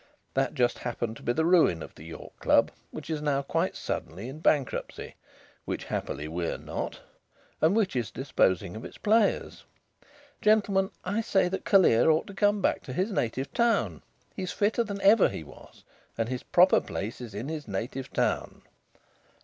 That just happened to be the ruin of the York Club, which is now quite suddenly in bankruptcy (which happily we are not), and which is disposing of its players. Gentlemen, I say that Callear ought to come back to his native town. He is fitter than ever he was, and his proper place is in his native town."